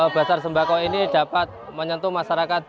basar sembako ini dapat menyentuh masyarakat